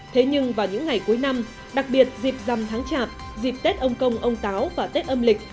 thế nhưng vào những ngày cuối năm đặc biệt dịp dằm tháng chạp dịp tết ông công ông táo và tết âm lịch